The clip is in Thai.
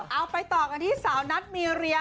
เอาไปต่อกันที่